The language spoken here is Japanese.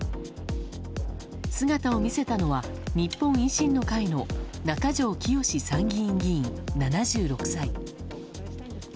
姿を見せたのは、日本維新の会の中条きよし参議院議員、７６歳。